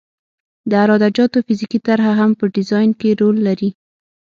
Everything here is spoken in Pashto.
د عراده جاتو فزیکي طرح هم په ډیزاین کې رول لري